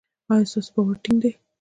ایا ستاسو باور ټینګ دی؟